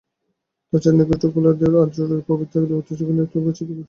তাছাড়া নেগ্রিটো-কোলারীয়, দ্রাবিড় এবং আর্য প্রভৃতি ঐতিহাসিক যুগের নৃতাত্ত্বিক বৈচিত্র্যও উপস্থিত।